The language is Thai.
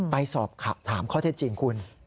ไปสอบถามข้อเท็จจริงคุณ